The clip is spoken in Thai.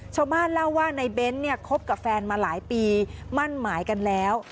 ชาวบ้านเล่าว่าในเบ้นเนี่ยคบกับแฟนมาหลายปีมั่นหมายกันแล้ว